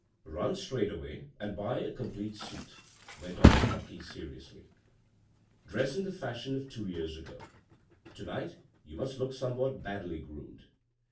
" Run straight away and buy a complete suit," went on the marquis seriously. " Dress in the fashion of two years ago. To night you must look somewhat badly groomed.